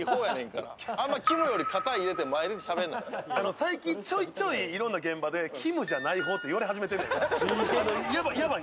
最近、ちょいちょいいろんな現場できむじゃない方って言われ始めてるんで、ヤバい。